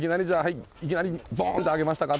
いきなりボーンと上げましたか？